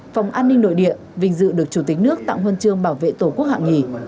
phòng an ninh nội địa vinh dự được chủ tịch nước tặng huân chương bảo vệ tổ quốc hạng nhì